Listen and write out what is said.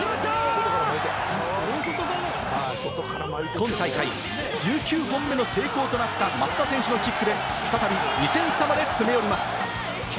今大会１９本目の成功となった松田選手のキックで再び２点差まで詰め寄ります。